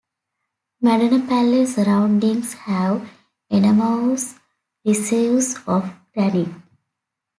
Madanapalle surroundings have enormous reserves of granite.